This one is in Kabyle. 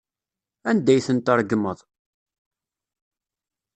Anda ay tent-tregmeḍ?